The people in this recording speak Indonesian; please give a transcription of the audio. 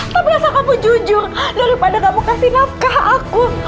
tapi rasa kamu jujur daripada kamu kasih nafkah aku